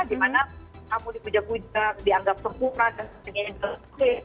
di mana kamu dipuja puja dianggap sepura dan sebagainya gitu